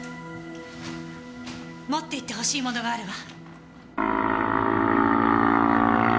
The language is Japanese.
持っていってほしいものがあるわ。